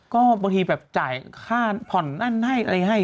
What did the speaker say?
ก็บางทีแบบจ่ายค่าผ่อนนั่นให้อะไรให้